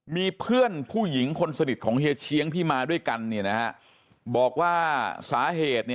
มีเพื่อนผู้หญิงคนสนิทของเฮียเชียงที่มาด้วยกันบอกว่าสาเหตุ